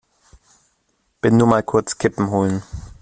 Bin nur mal kurz Kippen holen!